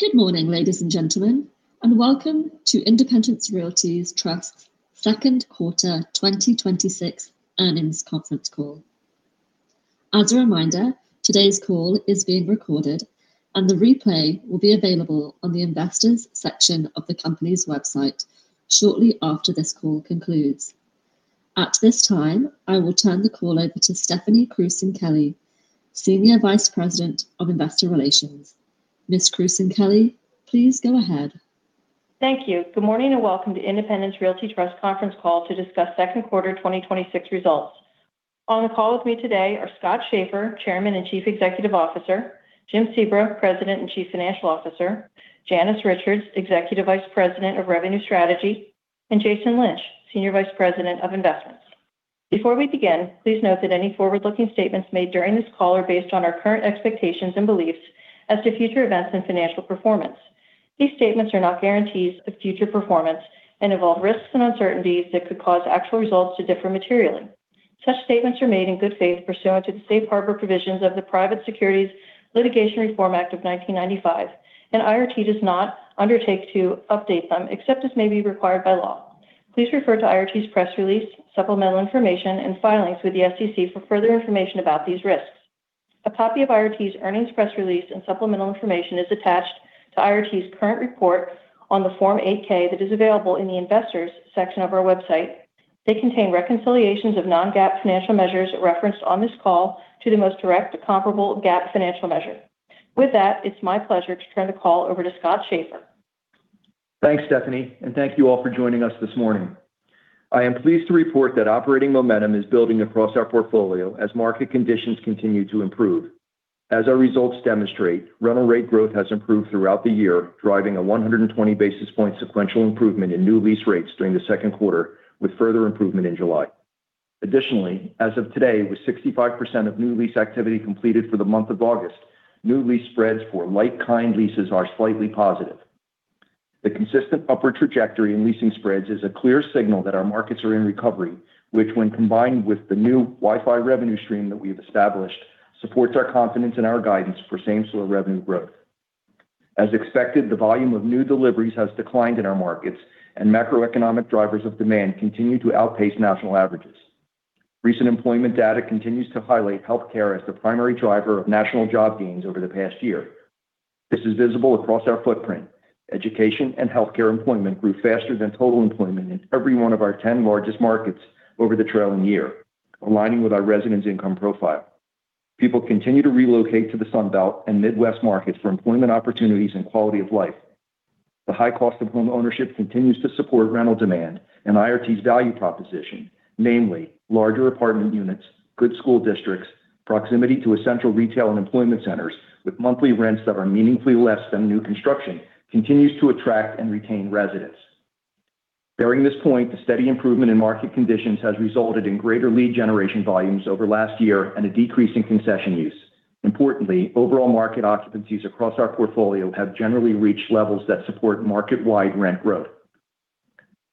Good morning, ladies and gentlemen, and welcome to Independence Realty Trust's second quarter 2026 earnings conference call. As a reminder, today's call is being recorded, and the replay will be available on the Investors section of the company's website shortly after this call concludes. At this time, I will turn the call over to Stephanie Krewson-Kelly, Senior Vice President of Investor Relations. Ms. Krewson-Kelly, please go ahead. Thank you. Good morning and welcome to Independence Realty Trust conference call to discuss second quarter 2026 results. On the call with me today are Scott Schaeffer, Chairman and Chief Executive Officer, Jim Sebra, President and Chief Financial Officer, Janice Richards, Executive Vice President of Revenue Strategy, and Jason Lynch, Senior Vice President of Investments. Before we begin, please note that any forward-looking statements made during this call are based on our current expectations and beliefs as to future events and financial performance. These statements are not guarantees of future performance and involve risks and uncertainties that could cause actual results to differ materially. Such statements are made in good faith pursuant to the safe harbor provisions of the Private Securities Litigation Reform Act of 1995, and IRT does not undertake to update them except as may be required by law. Please refer to IRT's press release, supplemental information, and filings with the SEC for further information about these risks. A copy of IRT's earnings press release and supplemental information is attached to IRT's current report on the Form 8-K that is available in the Investors section of our website. They contain reconciliations of non-GAAP financial measures referenced on this call to the most direct comparable GAAP financial measure. With that, it's my pleasure to turn the call over to Scott Schaeffer. Thanks, Stephanie, and thank you all for joining us this morning. I am pleased to report that operating momentum is building across our portfolio as market conditions continue to improve. As our results demonstrate, rental rate growth has improved throughout the year, driving a 120 basis point sequential improvement in new lease rates during the second quarter, with further improvement in July. Additionally, as of today, with 65% of new lease activity completed for the month of August, new lease spreads for like-kind leases are slightly positive. The consistent upward trajectory in leasing spreads is a clear signal that our markets are in recovery, which when combined with the new Wi-Fi revenue stream that we've established, supports our confidence in our guidance for same-store revenue growth. As expected, the volume of new deliveries has declined in our markets, and macroeconomic drivers of demand continue to outpace national averages. Recent employment data continues to highlight healthcare as the primary driver of national job gains over the past year. This is visible across our footprint. Education and healthcare employment grew faster than total employment in every one of our 10 largest markets over the trailing year, aligning with our residents' income profile. People continue to relocate to the Sun Belt and Midwest markets for employment opportunities and quality of life. The high cost of homeownership continues to support rental demand and IRT's value proposition, namely larger apartment units, good school districts, proximity to essential retail and employment centers with monthly rents that are meaningfully less than new construction continues to attract and retain residents. Bearing this point, the steady improvement in market conditions has resulted in greater lead generation volumes over last year and a decrease in concession use. Importantly, overall market occupancies across our portfolio have generally reached levels that support market-wide rent growth.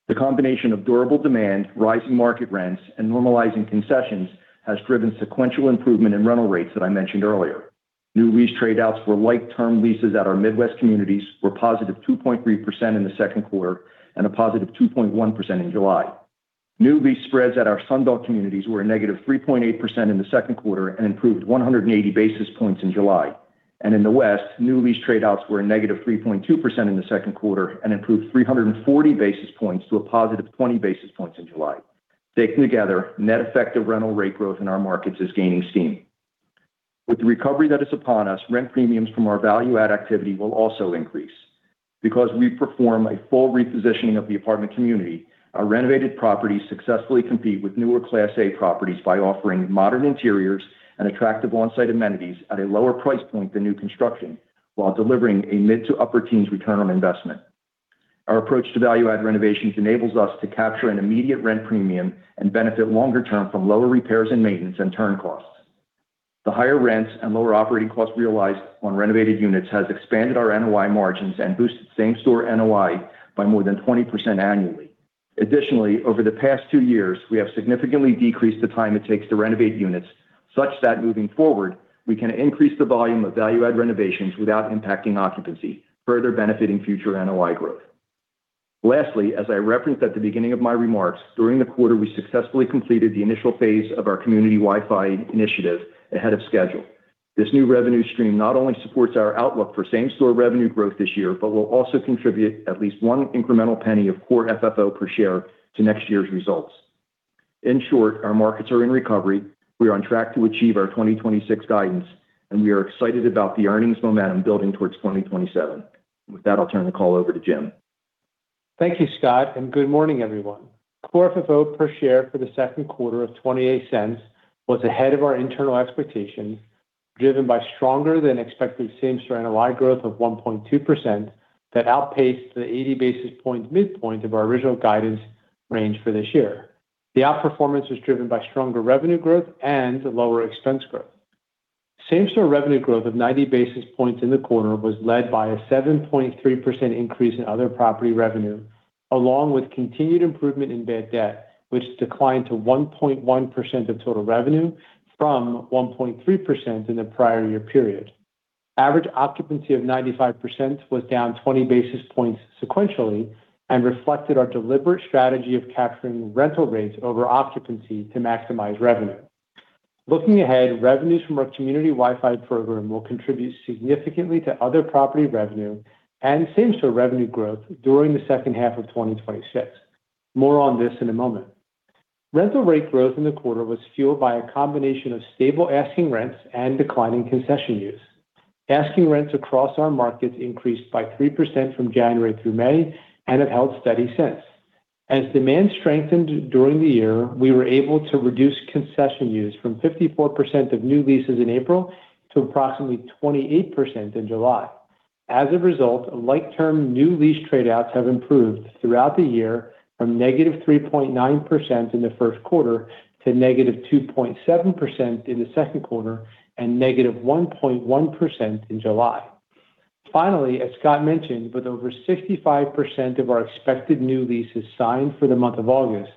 The combination of durable demand, rising market rents, and normalizing concessions has driven sequential improvement in rental rates that I mentioned earlier. New lease trade-outs for like-term leases at our Midwest communities were +2.3% in the second quarter and a +2.1% in July. New lease spreads at our Sun Belt communities were a -3.8% in the second quarter and improved 180 basis points in July. In the West, new lease trade-outs were a -3.2% in the second quarter and improved 340 basis points to a +20 basis points in July. Taken together, net effect of rental rate growth in our markets is gaining steam. With the recovery that is upon us, rent premiums from our value add activity will also increase. Because we perform a full repositioning of the apartment community, our renovated properties successfully compete with newer Class A properties by offering modern interiors and attractive on-site amenities at a lower price point than new construction while delivering a mid-to-upper teens return on investment. Our approach to value add renovations enables us to capture an immediate rent premium and benefit longer term from lower repairs and maintenance and turn costs. The higher rents and lower operating costs realized on renovated units has expanded our NOI margins and boosted same-store NOI by more than 20% annually. Additionally, over the past two years, we have significantly decreased the time it takes to renovate units such that moving forward, we can increase the volume of value add renovations without impacting occupancy, further benefiting future NOI growth. Lastly, as I referenced at the beginning of my remarks, during the quarter, we successfully completed the initial phase of our community Wi-Fi initiative ahead of schedule. This new revenue stream not only supports our outlook for same-store revenue growth this year, but will also contribute at least $0.01 of core FFO per share to next year's results. In short, our markets are in recovery. We are on track to achieve our 2026 guidance, and we are excited about the earnings momentum building towards 2027. With that, I'll turn the call over to Jim. Thank you, Scott, good morning, everyone. Core FFO per share for the second quarter of $0.28 was ahead of our internal expectations, driven by stronger than expected same-store NOI growth of 1.2% that outpaced the 80-basis point midpoint of our original guidance range for this year. The outperformance was driven by stronger revenue growth and lower expense growth. Same-store revenue growth of 90 basis points in the quarter was led by a 7.3% increase in other property revenue Along with continued improvement in bad debt, which declined to 1.1% of total revenue from 1.3% in the prior year period. Average occupancy of 95% was down 20 basis points sequentially and reflected our deliberate strategy of capturing rental rates over occupancy to maximize revenue. Looking ahead, revenues from our community Wi-Fi program will contribute significantly to other property revenue and same-store revenue growth during the second half of 2026. More on this in a moment. Rental rate growth in the quarter was fueled by a combination of stable asking rents and declining concession use. Asking rents across our markets increased by 3% from January through May, have held steady since. As demand strengthened during the year, we were able to reduce concession use from 54% of new leases in April to approximately 28% in July. As a result, like-term new lease trade-outs have improved throughout the year from -3.9% in the first quarter to -2.7% in the second quarter and -1.1% in July. Finally, as Scott mentioned, with over 65% of our expected new leases signed for the month of August,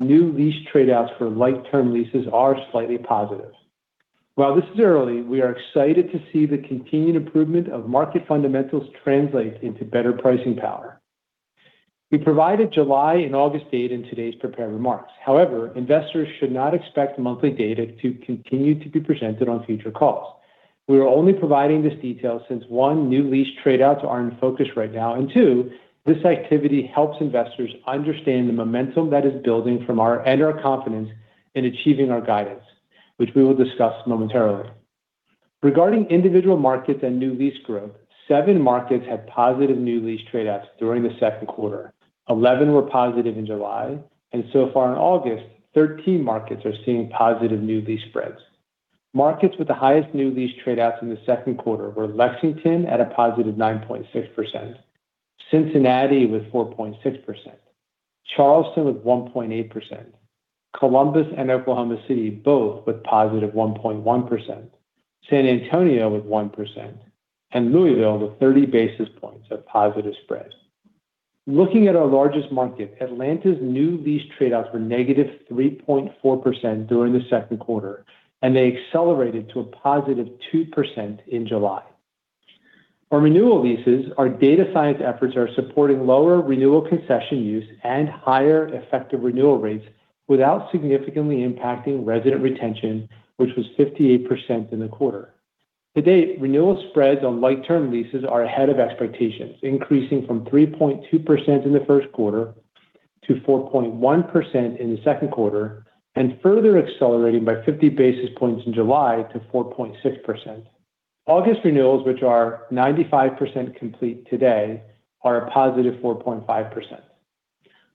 new lease trade-outs for like-term leases are slightly positive. While this is early, we are excited to see the continued improvement of market fundamentals translate into better pricing power. We provided July and August data in today's prepared remarks. Investors should not expect monthly data to continue to be presented on future calls. We are only providing this detail since one, new lease trade-outs are in focus right now, and two, this activity helps investors understand the momentum that is building and our confidence in achieving our guidance, which we will discuss momentarily. Regarding individual markets and new lease growth, seven markets had positive new lease trade-outs during the second quarter, 11 were positive in July, so far in August, 13 markets are seeing positive new lease spreads. Markets with the highest new lease trade-outs in the second quarter were Lexington at a +9.6%, Cincinnati with 4.6%, Charleston with 1.8%, Columbus and Oklahoma City both with +1.1%, San Antonio with 1%, and Louisville with 30 basis points of positive spreads. Looking at our largest market, Atlanta's new lease trade-outs were -3.4% during the second quarter, they accelerated to a +2% in July. For renewal leases, our data science efforts are supporting lower renewal concession use and higher effective renewal rates without significantly impacting resident retention, which was 58% in the quarter. To date, renewal spreads on like-term leases are ahead of expectations, increasing from 3.2% in the first quarter to 4.1% in the second quarter and further accelerating by 50 basis points in July to 4.6%. August renewals, which are 95% complete today, are a +4.5%.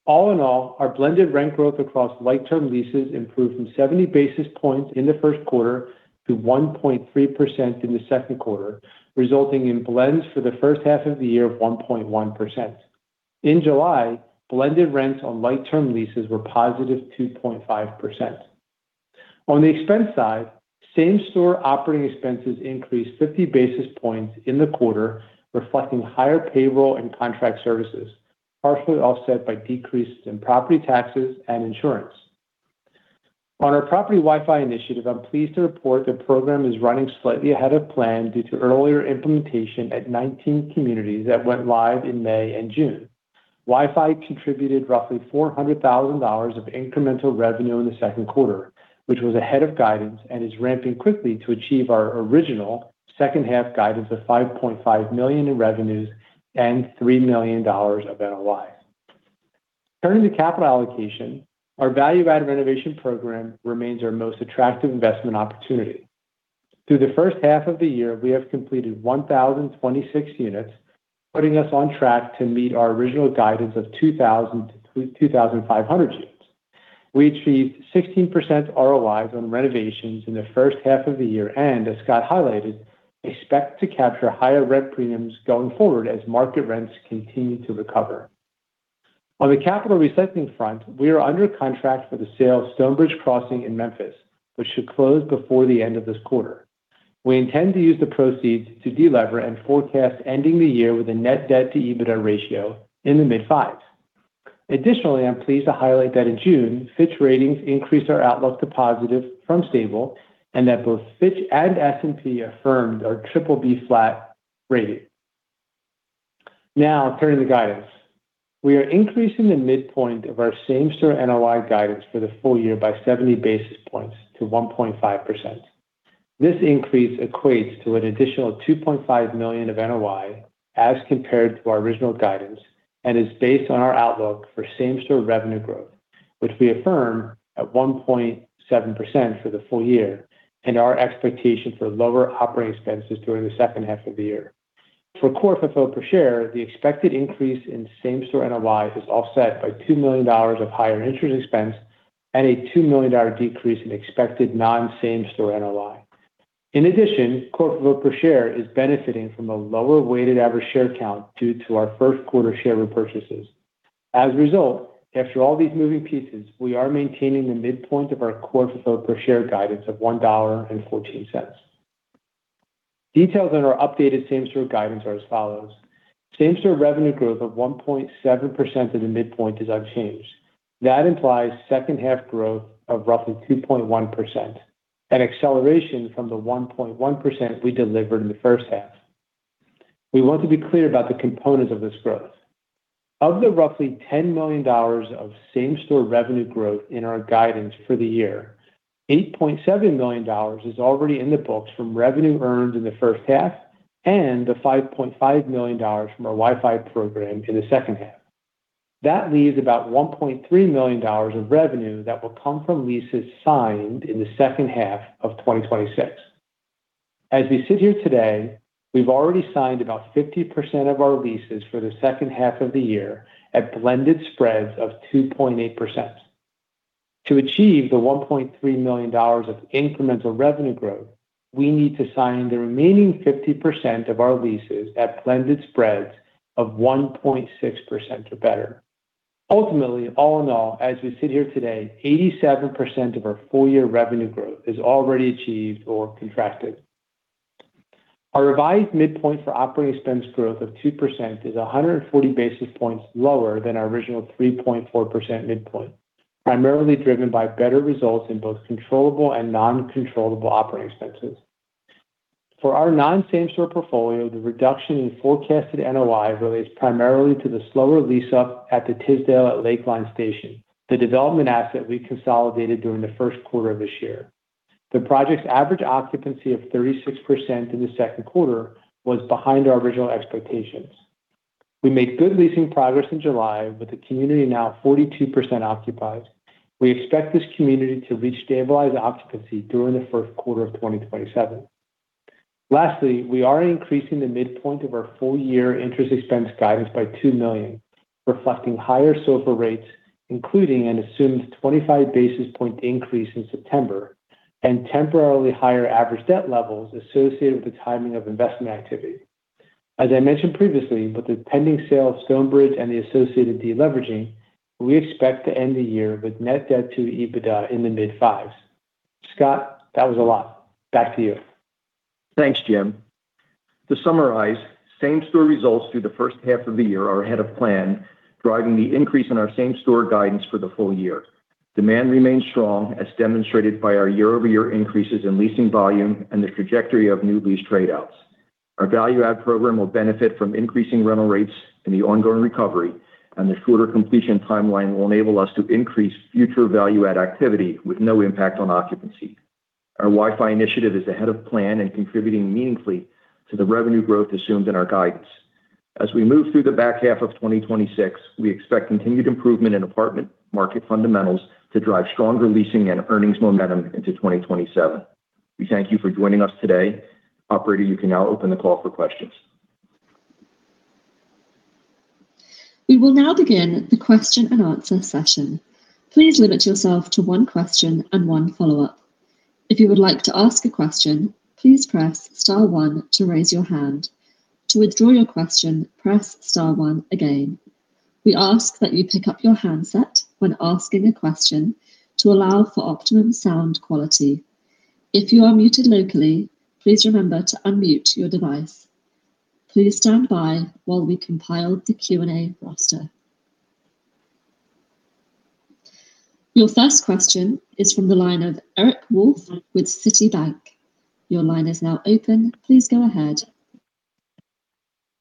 All in all, our blended rent growth across like-term leases improved from 70 basis points in the first quarter to 1.3% in the second quarter, resulting in blends for the first half of the year of 1.1%. In July, blended rents on like-term leases were +2.5%. On the expense side, same-store operating expenses increased 50 basis points in the quarter, reflecting higher payroll and contract services, partially offset by decreases in property taxes and insurance. On our property Wi-Fi initiative, I'm pleased to report the program is running slightly ahead of plan due to earlier implementation at 19 communities that went live in May and June. Wi-Fi contributed roughly $400,000 of incremental revenue in the second quarter, which was ahead of guidance and is ramping quickly to achieve our original second half guidance of $5.5 million in revenues and $3 million of NOI. Turning to capital allocation, our value-add renovation program remains our most attractive investment opportunity. Through the first half of the year, we have completed 1,026 units, putting us on track to meet our original guidance of 2,000 to 2,500 units. We achieved 16% ROIs on renovations in the first half of the year and, as Scott highlighted, expect to capture higher rent premiums going forward as market rents continue to recover. On the capital recycling front, we are under contract for the sale of Stonebridge Crossings in Memphis, which should close before the end of this quarter. We intend to use the proceeds to de-lever and forecast ending the year with a net debt to EBITDA ratio in the mid-fives. Additionally, I'm pleased to highlight that in June, Fitch Ratings increased our outlook to positive from stable and that both Fitch and S&P affirmed our BBB flat rating. Turning to guidance. We are increasing the midpoint of our same-store NOI guidance for the full year by 70 basis points to 1.5%. This increase equates to an additional $2.5 million of NOI as compared to our original guidance and is based on our outlook for same-store revenue growth, which we affirm at 1.7% for the full year and our expectation for lower operating expenses during the second half of the year. For core FFO per share, the expected increase in same-store NOI is offset by $2 million of higher interest expense and a $2 million decrease in expected non-same-store NOI. In addition, core FFO per share is benefiting from a lower weighted average share count due to our first quarter share repurchases. After all these moving pieces, we are maintaining the midpoint of our core FFO per share guidance of $1.14. Details on our updated same-store guidance are as follows. Same-store revenue growth of 1.7% at the midpoint is unchanged. That implies second half growth of roughly 2.1%, an acceleration from the 1.1% we delivered in the first half. We want to be clear about the components of this growth. Of the roughly $10 million of same-store revenue growth in our guidance for the year, $8.7 million is already in the books from revenue earned in the first half and the $5.5 million from our Wi-Fi program in the second half. That leaves about $1.3 million of revenue that will come from leases signed in the second half of 2026. As we sit here today, we've already signed about 50% of our leases for the second half of the year at blended spreads of 2.8%. To achieve the $1.3 million of incremental revenue growth, we need to sign the remaining 50% of our leases at blended spreads of 1.6% or better. Ultimately, all in all, as we sit here today, 87% of our full year revenue growth is already achieved or contracted. Our revised midpoint for operating expense growth of 2% is 140 basis points lower than our original 3.4% midpoint, primarily driven by better results in both controllable and non-controllable operating expenses. For our non-same store portfolio, the reduction in forecasted NOI relates primarily to the slower lease-up at the Tisdale at Lakeline Station, the development asset we consolidated during the first quarter of this year. The project's average occupancy of 36% in the second quarter was behind our original expectations. We made good leasing progress in July with the community now 42% occupied. We expect this community to reach stabilized occupancy during the first quarter of 2027. Lastly, we are increasing the midpoint of our full year interest expense guidance by $2 million, reflecting higher SOFR rates, including an assumed 25 basis point increase in September, and temporarily higher average debt levels associated with the timing of investment activity. As I mentioned previously, with the pending sale of Stonebridge and the associated de-leveraging, we expect to end the year with net debt to EBITDA in the mid-fives. Scott, that was a lot. Back to you. Thanks, Jim. To summarize, same-store results through the first half of the year are ahead of plan, driving the increase in our same-store guidance for the full year. Demand remains strong as demonstrated by our year-over-year increases in leasing volume and the trajectory of new lease trade outs. Our Value Add Program will benefit from increasing rental rates in the ongoing recovery, and the shorter completion timeline will enable us to increase future Value Add activity with no impact on occupancy. Our Wi-Fi Initiative is ahead of plan and contributing meaningfully to the revenue growth assumed in our guidance. As we move through the back half of 2026, we expect continued improvement in apartment market fundamentals to drive stronger leasing and earnings momentum into 2027. We thank you for joining us today. Operator, you can now open the call for questions. We will now begin the question and answer session. Please limit yourself to one question and one follow-up. If you would like to ask a question, please press star one to raise your hand. To withdraw your question, press star one again. We ask that you pick up your handset when asking a question to allow for optimum sound quality. If you are muted locally, please remember to unmute your device. Please stand by while we compile the Q&A roster. Your first question is from the line of Eric Wolfe with Citibank. Your line is now open. Please go ahead.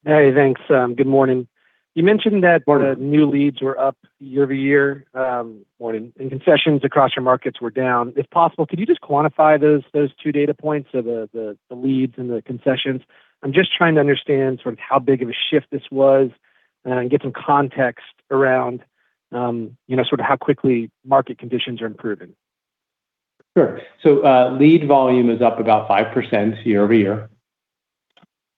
Hey, thanks. Good morning. You mentioned that new leads were up year-over-year and concessions across your markets were down. If possible, could you just quantify those two data points, so the leads and the concessions? I'm just trying to understand sort of how big of a shift this was and get some context around sort of how quickly market conditions are improving. Sure. Lead volume is up about 5%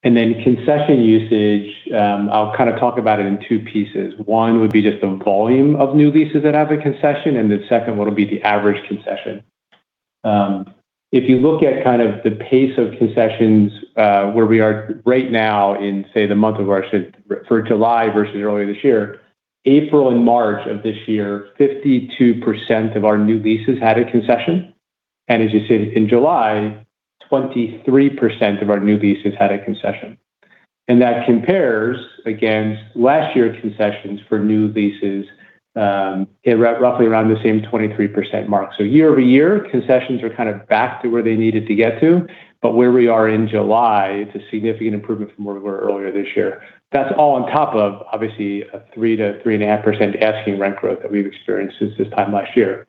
year-over-year. Concession usage, I'll kind of talk about it in two pieces. One would be just the volume of new leases that have a concession, and the second one will be the average concession. If you look at kind of the pace of concessions, where we are right now in, say, for July versus earlier this year. April and March of this year, 52% of our new leases had a concession. As you stated, in July, 23% of our new leases had a concession. That compares against last year's concessions for new leases at roughly around the same 23% mark. Year-over-year, concessions are kind of back to where they needed to get to, but where we are in July, it's a significant improvement from where we were earlier this year. That's all on top of obviously a 3%-3.5% asking rent growth that we've experienced since this time last year.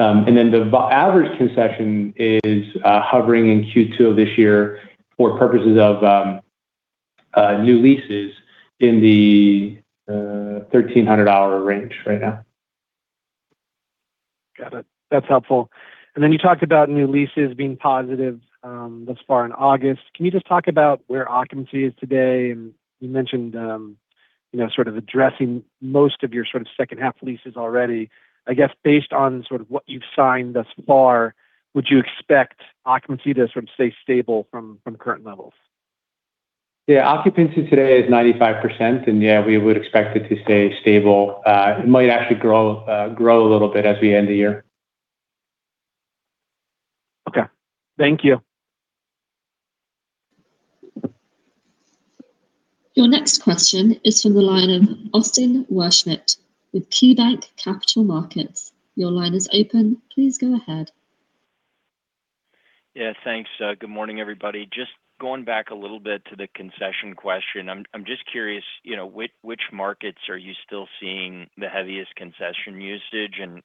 The average concession is hovering in Q2 of this year for purposes of new leases in the $1,300 range right now. Got it. That's helpful. You talked about new leases being positive thus far in August. Can you just talk about where occupancy is today? You mentioned sort of addressing most of your sort of second half leases already. I guess based on sort of what you've signed thus far, would you expect occupancy to sort of stay stable from current levels? Yeah. Occupancy today is 95%, and yeah, we would expect it to stay stable. It might actually grow a little bit as we end the year. Okay. Thank you. Your next question is from the line of Austin Wurschmidt with KeyBanc Capital Markets. Your line is open. Please go ahead. Thanks. Good morning, everybody. Going back a little bit to the concession question. I'm curious, which markets are you still seeing the heaviest concession usage and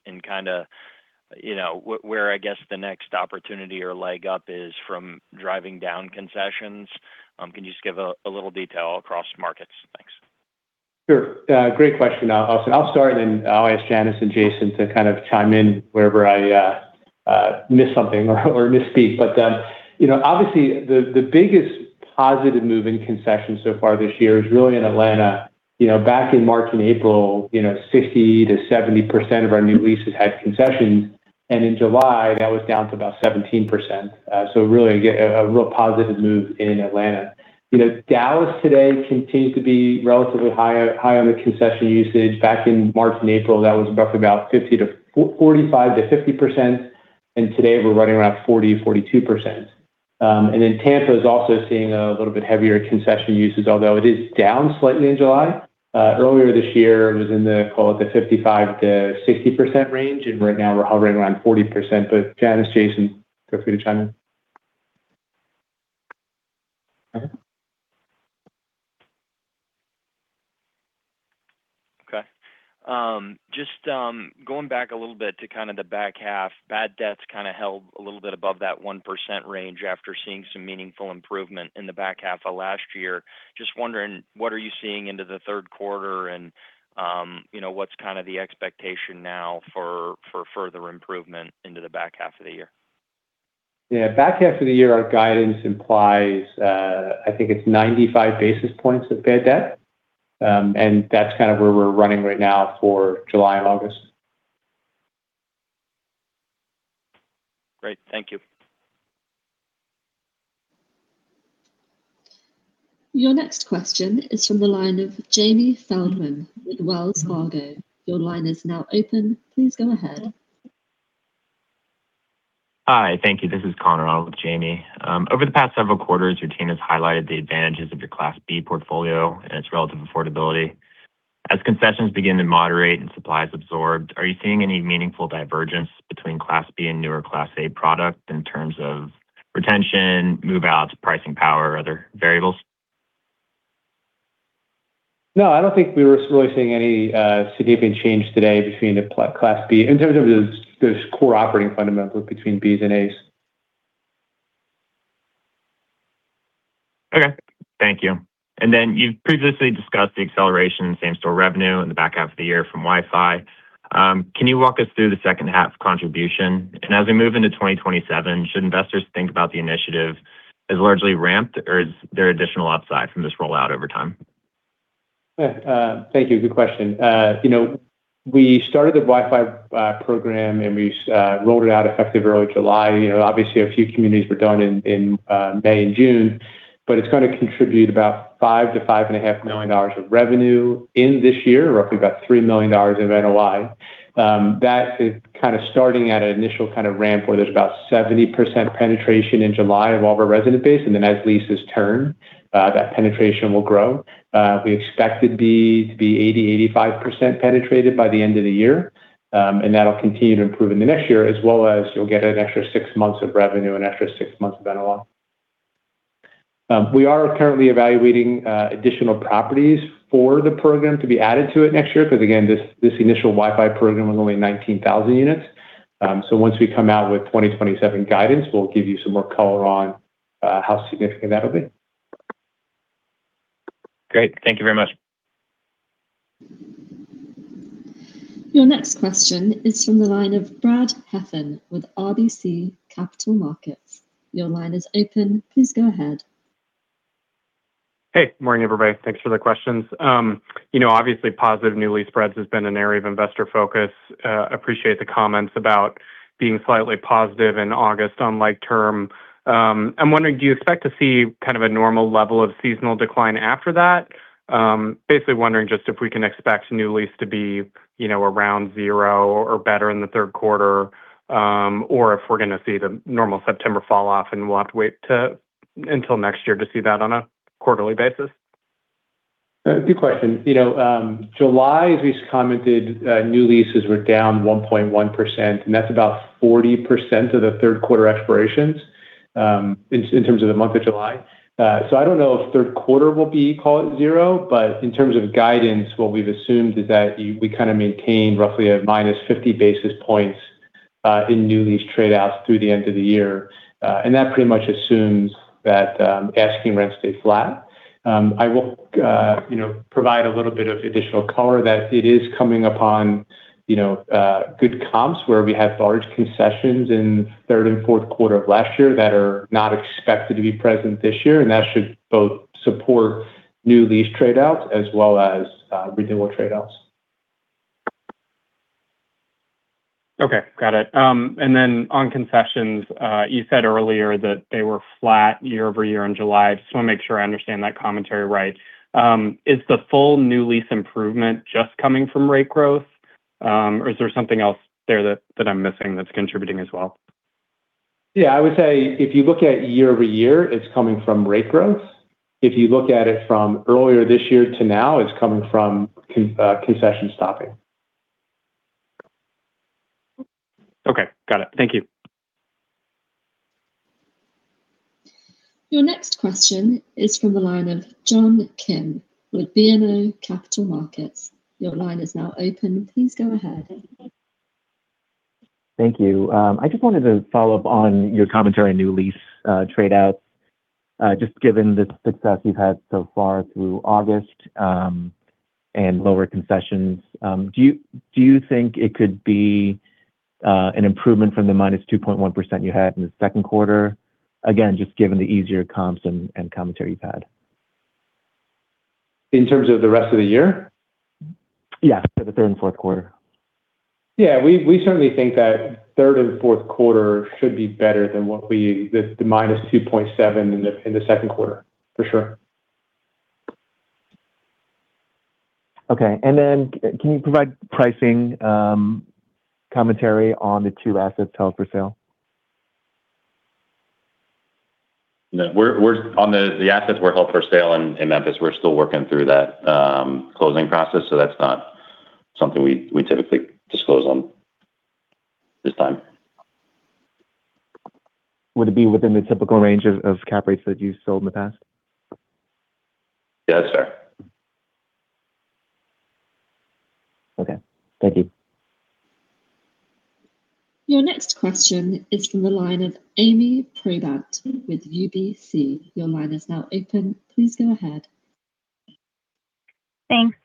where the next opportunity or leg up is from driving down concessions? Can you give a little detail across markets? Thanks. Great question, Austin. I'll start. Then I'll ask Janice and Jason to chime in wherever I miss something or misspeak. Obviously, the biggest positive move in concessions so far this year is really in Atlanta. Back in March and April, 60%-70% of our new leases had concessions. In July, that was down to about 17%. Really, a real positive move in Atlanta. Dallas today continues to be relatively high on the concession usage. Back in March and April, that was roughly about 45%-50%, and today we're running around 40%, 42%. Tampa is also seeing a little bit heavier concession usage, although it is down slightly in July. Earlier this year, it was in the, call it, the 55%-60% range, and right now we're hovering around 40%. Janice, Jason, feel free to chime in. Okay. Okay. Going back a little bit to the back half. Bad debts held a little bit above that 1% range after seeing some meaningful improvement in the back half of last year. Wondering, what are you seeing into the third quarter, and what's the expectation now for further improvement into the back half of the year? Back half of the year, our guidance implies, I think it's 95 basis points of bad debt. That's where we're running right now for July and August. Great. Thank you. Your next question is from the line of Jamie Feldman with Wells Fargo. Your line is now open. Please go ahead. Hi. Thank you. This is Connor on with Jamie. Over the past several quarters, your team has highlighted the advantages of your Class B portfolio and its relative affordability. As concessions begin to moderate and supply is absorbed, are you seeing any meaningful divergence between Class B and newer Class A product in terms of retention, move-outs, pricing power, or other variables? No, I don't think we're really seeing any significant change today between the Class B in terms of those core operating fundamentals between Bs and As. Okay. Thank you. You've previously discussed the acceleration in same-store revenue in the back half of the year from Wi-Fi. Can you walk us through the second half contribution? As we move into 2027, should investors think about the initiative as largely ramped or is there additional upside from this rollout over time? Thank you. Good question. We started the Wi-Fi program. We rolled it out effective early July. Obviously, a few communities were done in May and June. It's going to contribute about $5 million-$5.5 million of revenue in this year, roughly about $3 million of NOI. That is starting at an initial kind of ramp where there's about 70% penetration in July of all of our resident base. As leases turn, that penetration will grow. We expect it to be 80%-85% penetrated by the end of the year. That'll continue to improve into next year, as well as you'll get an extra six months of revenue and extra six months of NOI. We are currently evaluating additional properties for the program to be added to it next year because, again, this initial Wi-Fi program was only 19,000 units. Once we come out with 2027 guidance, we'll give you some more color on how significant that'll be. Great. Thank you very much. Your next question is from the line of Brad Heffern with RBC Capital Markets. Your line is open. Please go ahead. Hey. Morning, everybody. Thanks for the questions. Obviously, positive new lease spreads has been an area of investor focus. Appreciate the comments about being slightly positive in August on like term. I'm wondering, do you expect to see kind of a normal level of seasonal decline after that? Basically wondering just if we can expect new lease to be around zero or better in the third quarter, or if we're going to see the normal September fall off and we'll have to wait until next year to see that on a quarterly basis. Good question. July, as we commented, new leases were down 1.1%, and that's about 40% of the third quarter expirations in terms of the month of July. I don't know if third quarter will be, call it, zero. In terms of guidance, what we've assumed is that we kind of maintain roughly a -50 basis points in new lease trade-outs through the end of the year. That pretty much assumes that asking rents stay flat. I will provide a little bit of additional color that it is coming upon good comps where we had large concessions in third and fourth quarter of last year that are not expected to be present this year. That should both support new lease trade-outs as well as renewable trade-outs. Okay. Got it. Then on concessions, you said earlier that they were flat year-over-year in July. Just want to make sure I understand that commentary right. Is the full new lease improvement just coming from rate growth? Or is there something else there that I'm missing that's contributing as well? Yeah, I would say if you look at year-over-year, it's coming from rate growth. If you look at it from earlier this year to now, it's coming from concession stopping. Okay. Got it. Thank you. Your next question is from the line of John Kim with BMO Capital Markets. Your line is now open. Please go ahead. Thank you. I just wanted to follow up on your commentary on new lease trade-outs. Just given the success you've had so far through August, and lower concessions, do you think it could be an improvement from the -2.1% you had in the second quarter? Again, just given the easier comps and commentary you've had. In terms of the rest of the year? Yeah, for the third and fourth quarter. Yeah. We certainly think that third and fourth quarter should be better than the minus 2.7 in the second quarter. For sure. Okay. Then can you provide pricing commentary on the two assets held for sale? No. On the assets we're held for sale in Memphis, that's not something we typically disclose on this time. Would it be within the typical range of cap rates that you've sold in the past? Yes, sir. Okay. Thank you. Your next question is from the line of Ami Probandt with UBS. Your line is now open. Please go ahead. Thanks.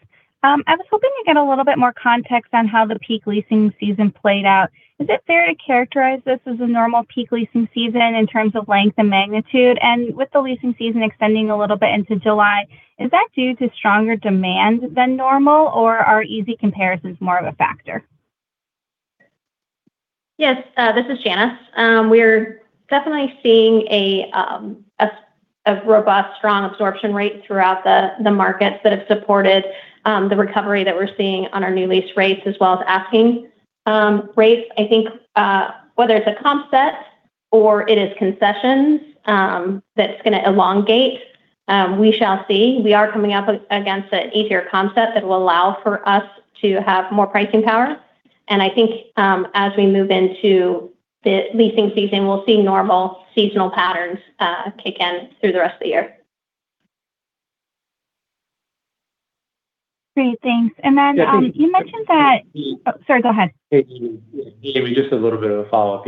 I was hoping to get a little bit more context on how the peak leasing season played out. Is it fair to characterize this as a normal peak leasing season in terms of length and magnitude? With the leasing season extending a little bit into July, is that due to stronger demand than normal, or are easy comparisons more of a factor? Yes. This is Janice. We're definitely seeing a robust, strong absorption rate throughout the markets that have supported the recovery that we're seeing on our new lease rates as well as asking rates. I think whether it's a comp set or it is concessions that's going to elongate, we shall see. We are coming up against an easier comp set that will allow for us to have more pricing power. I think as we move into the leasing season, we'll see normal seasonal patterns kick in through the rest of the year. Great. Thanks. Yeah. You mentioned that. Oh, sorry, go ahead. Ami, just a little bit of a follow-up.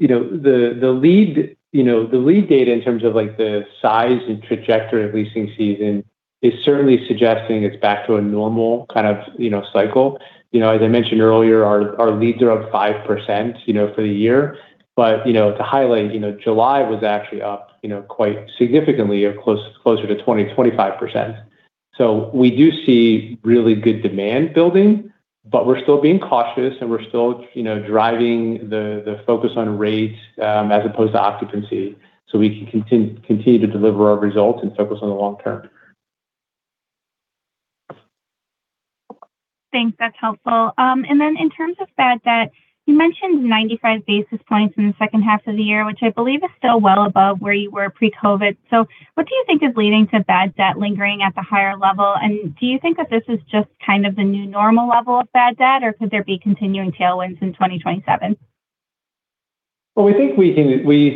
The lead data in terms of the size and trajectory of leasing season is certainly suggesting it's back to a normal kind of cycle. As I mentioned earlier, our leads are up 5% for the year. To highlight, July was actually up quite significantly or closer to 20%-25%. We do see really good demand building, but we're still being cautious, and we're still driving the focus on rates as opposed to occupancy so we can continue to deliver our results and focus on the long term. Thanks. That's helpful. Then in terms of bad debt, you mentioned 95 basis points in the second half of the year, which I believe is still well above where you were pre-COVID. What do you think is leading to bad debt lingering at the higher level? Do you think that this is just kind of the new normal level of bad debt, or could there be continuing tailwinds in 2027? Well, we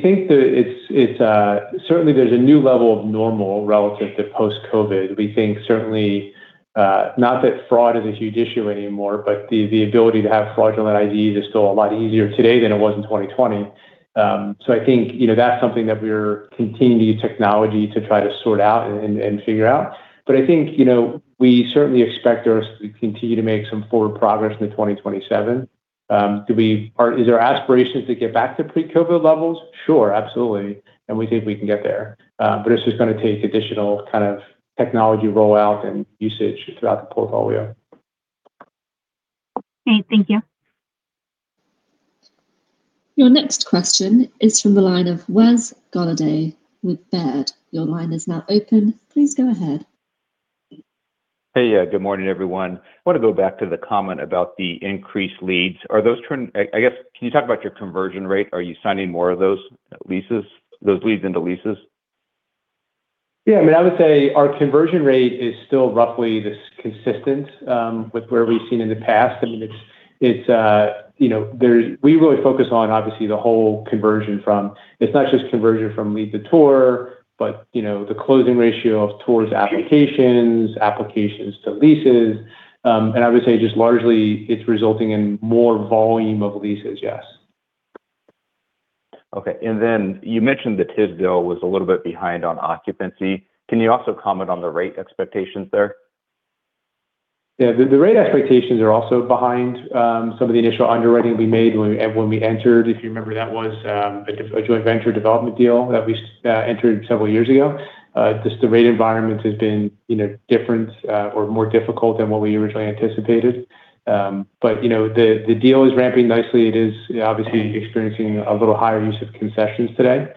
think that certainly there's a new level of normal relative to post-COVID. We think certainly not that fraud is a huge issue anymore, but the ability to have fraudulent IDs is still a lot easier today than it was in 2020. I think, that's something that we're continuing to use technology to try to sort out and figure out. I think, we certainly expect to continue to make some forward progress into 2027. Is there aspirations to get back to pre-COVID levels? Sure, absolutely. We think we can get there. It's just going to take additional kind of technology rollout and usage throughout the portfolio. Okay. Thank you. Your next question is from the line of Wes Golladay with Baird. Your line is now open. Please go ahead. Hey. Good morning, everyone. I want to go back to the comment about the increased leads. I guess, can you talk about your conversion rate? Are you signing more of those leases, those leads into leases? Yeah. I would say our conversion rate is still roughly this consistent with where we've seen in the past. We really focus on, obviously, the whole conversion from It's not just conversion from lead to tour, but the closing ratio of tours to applications to leases. I would say just largely it's resulting in more volume of leases, yes. Then you mentioned the Tisdale was a little bit behind on occupancy. Can you also comment on the rate expectations there? Yeah. The rate expectations are also behind some of the initial underwriting we made when we entered. If you remember, that was a joint venture development deal that we entered several years ago. The rate environment has been different or more difficult than what we originally anticipated. The deal is ramping nicely. It is obviously experiencing a little higher use of concessions today.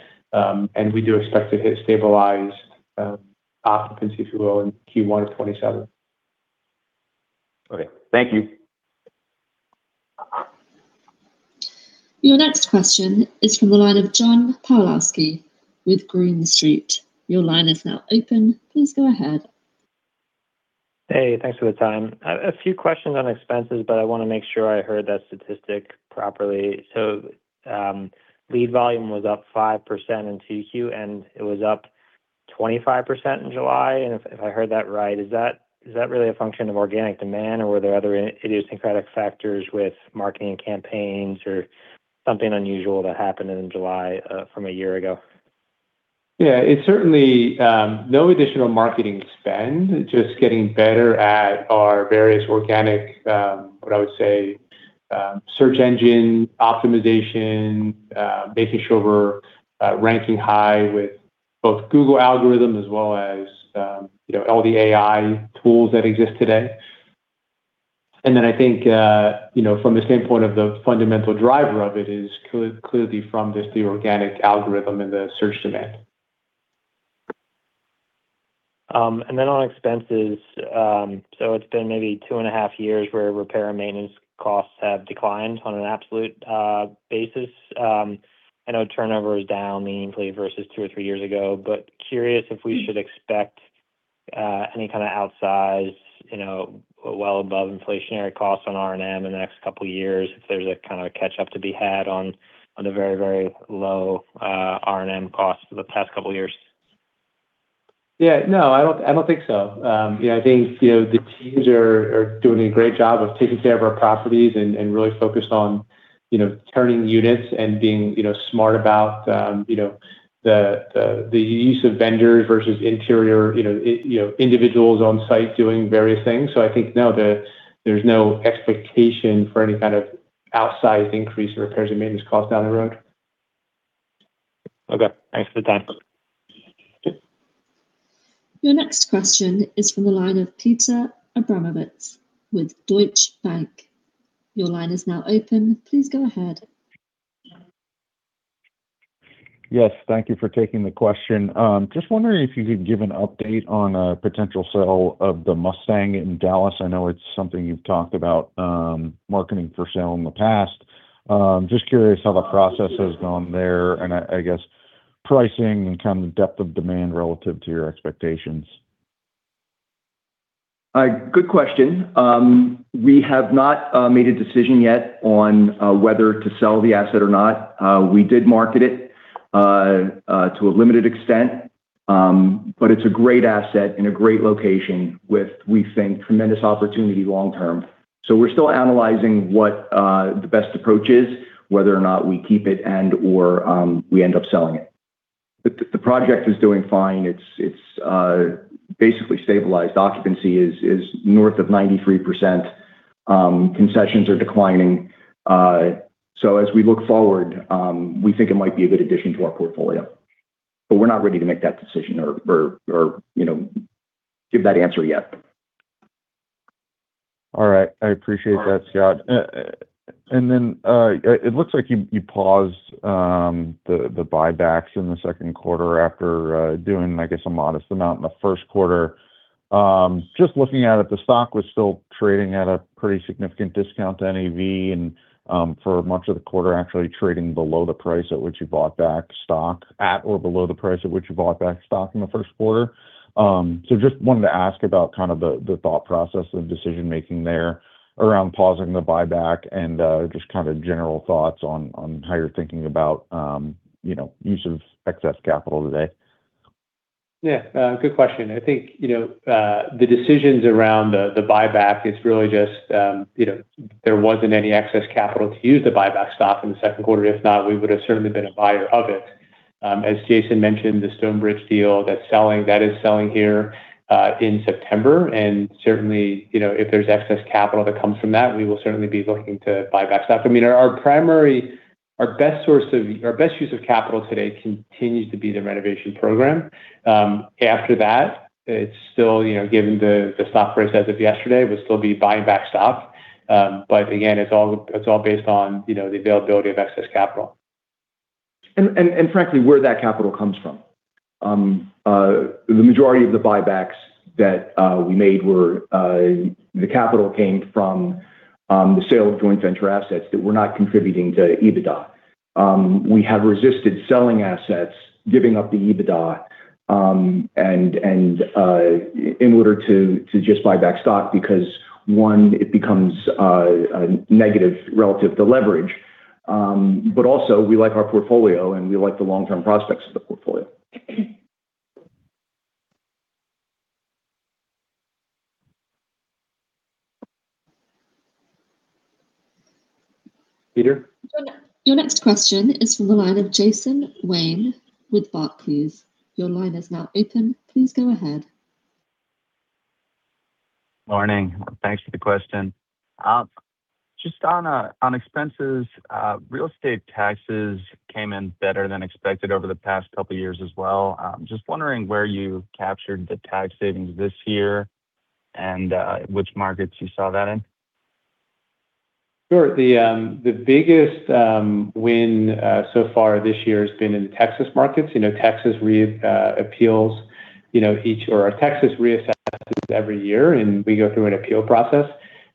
We do expect to hit stabilized occupancy, if you will, in Q1 of 2027. Okay. Thank you. Your next question is from the line of John Pawlowski with Green Street. Your line is now open. Please go ahead. Hey, thanks for the time. A few questions on expenses, I want to make sure I heard that statistic properly. Lead volume was up 5% in 2Q, and it was up 25% in July. If I heard that right, is that really a function of organic demand, or were there other idiosyncratic factors with marketing campaigns or something unusual that happened in July, from a year ago? Yeah, it's certainly no additional marketing spend, just getting better at our various organic, what I would say, search engine optimization, making sure we're ranking high with both Google algorithm as well as all the AI tools that exist today. I think from the standpoint of the fundamental driver of it is clearly from just the organic algorithm and the search demand. On expenses, it's been maybe 2.5 years where repair and maintenance costs have declined on an absolute basis. I know turnover is down meaningfully versus two or three years ago. Curious if we should expect any kind of outsize, well above inflationary costs on R&M in the next couple of years, if there's a kind of a catch-up to be had on the very low R&M costs for the past couple of years. Yeah, no, I don't think so. I think the teams are doing a great job of taking care of our properties and really focused on turning units and being smart about the use of vendors versus interior individuals on site doing various things. I think no, there's no expectation for any kind of outsized increase in repairs and maintenance costs down the road. Okay. Thanks for the time. Sure. Your next question is from the line of Peter Abramowitz with Deutsche Bank. Your line is now open. Please go ahead. Yes, thank you for taking the question. Just wondering if you could give an update on a potential sale of The Mustang in Dallas. I know it's something you've talked about marketing for sale in the past. Just curious how the process has gone there, and I guess pricing and kind of depth of demand relative to your expectations. Good question. We have not made a decision yet on whether to sell the asset or not. We did market it to a limited extent. It's a great asset in a great location with, we think, tremendous opportunity long term. We're still analyzing what the best approach is, whether or not we keep it and/or we end up selling it. The project is doing fine. It's basically stabilized. Occupancy is north of 93%. Concessions are declining. As we look forward, we think it might be a good addition to our portfolio. We're not ready to make that decision or give that answer yet. I appreciate that, Scott. It looks like you paused the buybacks in the second quarter after doing, I guess, a modest amount in the first quarter. Just looking at it, the stock was still trading at a pretty significant discount to NAV, and for much of the quarter, actually trading below the price at which you bought back stock at or below the price at which you bought back stock in the first quarter. Just wanted to ask about the thought process and decision making there around pausing the buyback and just kind of general thoughts on how you're thinking about use of excess capital today. Yeah. Good question. I think the decisions around the buyback, it's really just there wasn't any excess capital to use to buy back stock in the second quarter. If not, we would have certainly been a buyer of it. As Jason mentioned, the StoneBridge deal, that is selling here in September. Certainly, if there's excess capital that comes from that, we will certainly be looking to buy back stock. Our best use of capital today continues to be the renovation program. After that, it's still, given the stock price as of yesterday, we'll still be buying back stock. Again, it's all based on the availability of excess capital. Frankly, where that capital comes from. The majority of the buybacks that we made, the capital came from the sale of joint venture assets that were not contributing to EBITDA. We have resisted selling assets, giving up the EBITDA in order to just buy back stock because, one, it becomes a negative relative to leverage. Also, we like our portfolio, and we like the long-term prospects of the portfolio. Peter? Your next question is from the line of Jason Wayne with Barclays. Your line is now open. Please go ahead. Morning. Thanks for the question. Just on expenses, real estate taxes came in better than expected over the past couple of years as well. Just wondering where you captured the tax savings this year and which markets you saw that in. Sure. The biggest win so far this year has been in the Texas markets. Texas reappraises or Texas reassesses every year. We go through an appeal process.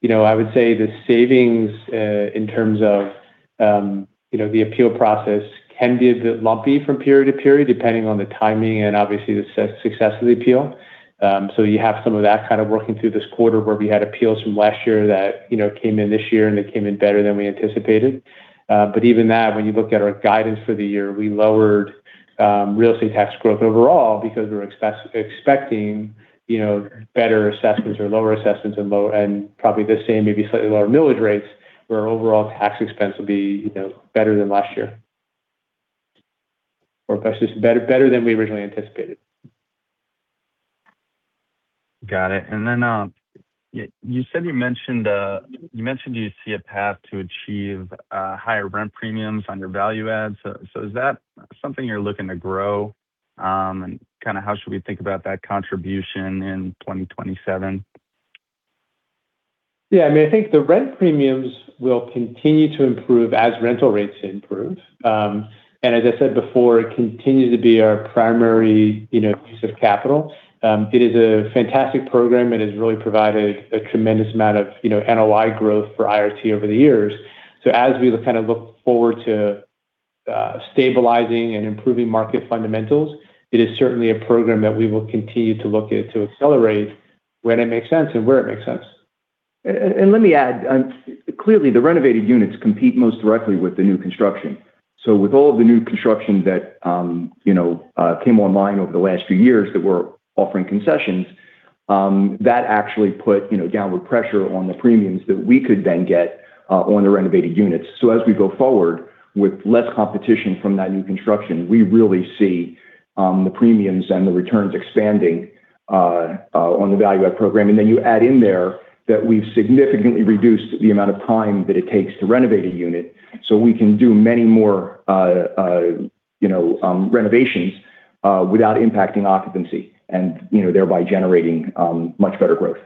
I would say the savings in terms of the appeal process can be a bit lumpy from period to period, depending on the timing and obviously the success of the appeal. You have some of that kind of working through this quarter where we had appeals from last year that came in this year, and it came in better than we anticipated. Even that, when you look at our guidance for the year, we lowered real estate tax growth overall because we were expecting better assessments or lower assessments and probably the same, maybe slightly lower millage rates, where overall tax expense will be better than last year. Better than we originally anticipated. Got it. You said you mentioned you see a path to achieve higher rent premiums on your value adds. Is that something you're looking to grow? How should we think about that contribution in 2027? Yeah. I think the rent premiums will continue to improve as rental rates improve. As I said before, it continues to be our primary use of capital. It is a fantastic program and has really provided a tremendous amount of NOI growth for IRT over the years. As we kind of look forward to stabilizing and improving market fundamentals, it is certainly a program that we will continue to look at to accelerate when it makes sense and where it makes sense. Let me add, clearly, the renovated units compete most directly with the new construction. With all of the new construction that came online over the last few years that were offering concessions, that actually put downward pressure on the premiums that we could then get on the renovated units. As we go forward with less competition from that new construction, we really see the premiums and the returns expanding on the value add program. Then you add in there that we've significantly reduced the amount of time that it takes to renovate a unit, so we can do many more renovations without impacting occupancy and thereby generating much better growth.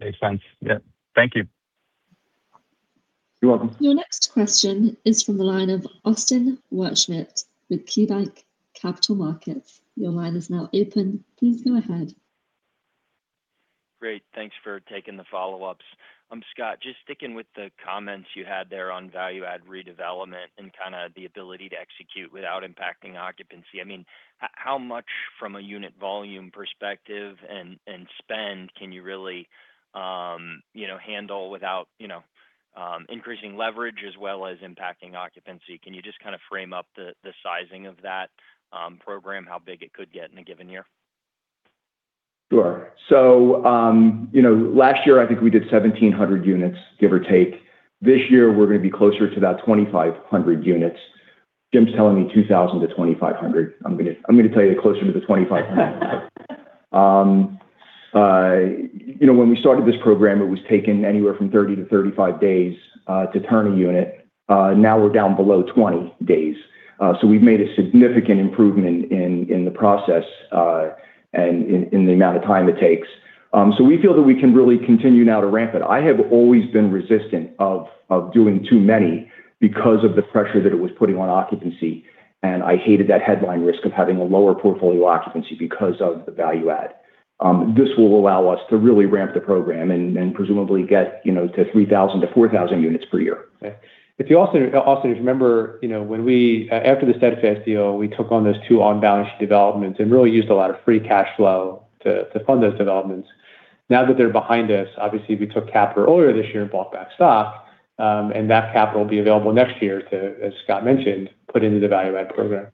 Makes sense. Yeah. Thank you. You're welcome. Your next question is from the line of Austin Wurschmidt with KeyBanc Capital Markets. Your line is now open. Please go ahead. Great. Thanks for taking the follow-ups. Scott, just sticking with the comments you had there on value add redevelopment and kind of the ability to execute without impacting occupancy. How much from a unit volume perspective and spend can you really handle without increasing leverage as well as impacting occupancy? Can you just kind of frame up the sizing of that program, how big it could get in a given year? Sure. Last year, I think we did 1,700 units, give or take. This year, we're going to be closer to that 2,500 units. Jim's telling me 2,000 to 2,500. I'm going to tell you closer to the 2,500. When we started this program, it was taking anywhere from 30 to 35 days to turn a unit. Now we're down below 20 days. We've made a significant improvement in the process and in the amount of time it takes. We feel that we can really continue now to ramp it. I have always been resistant of doing too many because of the pressure that it was putting on occupancy, and I hated that headline risk of having a lower portfolio occupancy because of the value add. This will allow us to really ramp the program and presumably get to 3,000 to 4,000 units per year. If you also remember, after the Steadfast deal, we took on those two on-balance sheet developments and really used a lot of free cash flow to fund those developments. Now that they're behind us, obviously, we took capital earlier this year and bought back stock, and that capital will be available next year to, as Scott mentioned, put into the value add program.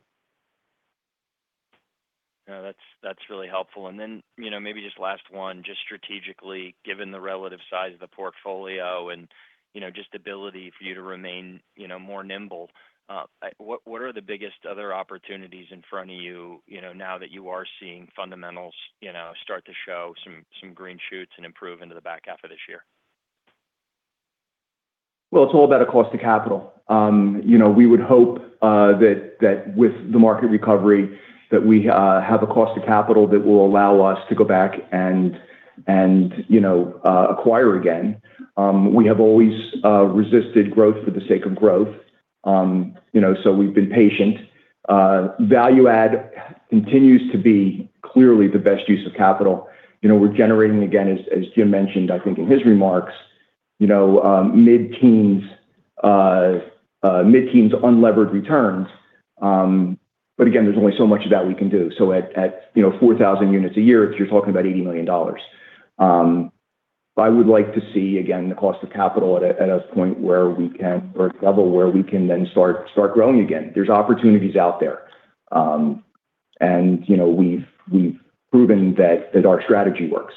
That's really helpful. Maybe just last one. Just strategically, given the relative size of the portfolio and just ability for you to remain more nimble, what are the biggest other opportunities in front of you now that you are seeing fundamentals start to show some green shoots and improve into the back half of this year? It's all about a cost of capital. We would hope that with the market recovery, that we have a cost of capital that will allow us to go back and acquire again. We have always resisted growth for the sake of growth. We've been patient. Value add continues to be clearly the best use of capital. We're generating, again, as Jim mentioned, I think in his remarks, mid-teens unlevered returns. Again, there's only so much of that we can do. At 4,000 units a year, you're talking about $80 million. I would like to see, again, the cost of capital at a point where we can, or a level where we can then start growing again. There's opportunities out there. We've proven that our strategy works.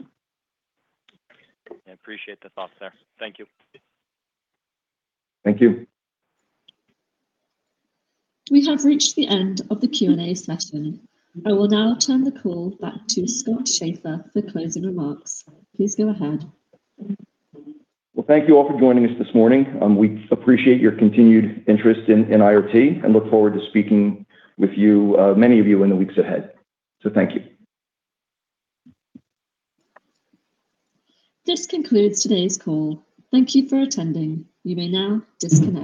I appreciate the thoughts there. Thank you. Thank you. We have reached the end of the Q&A session. I will now turn the call back to Scott Schaeffer for closing remarks. Please go ahead. Well, thank you all for joining us this morning. We appreciate your continued interest in IRT and look forward to speaking with many of you in the weeks ahead. Thank you. This concludes today's call. Thank you for attending. You may now disconnect.